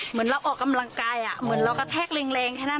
เหมือนเราออกกำลังกายเหมือนเรากระแทกแรงแค่นั้น